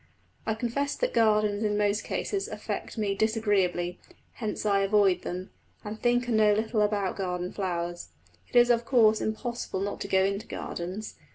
I confess that gardens in most cases affect me disagreeably; hence I avoid them, and think and know little about garden flowers. It is of course impossible not to go into gardens.